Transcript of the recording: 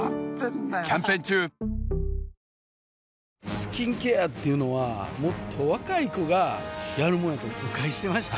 スキンケアっていうのはもっと若い子がやるもんやと誤解してました